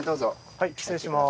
はい失礼します。